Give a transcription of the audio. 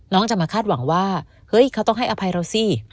จะมาคาดหวังว่าเฮ้ยเขาต้องให้อภัยเราสิ